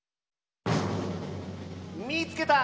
「みいつけた！